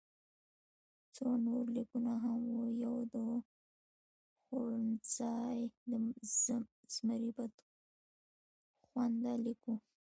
څو نور لیکونه هم وو، یو د خوړنځای د زمري بدخونده لیک وو.